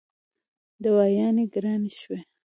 دوايانې ګرانې شوې